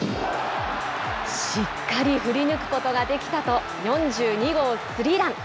しっかり振り抜くことができたと、４２号スリーラン。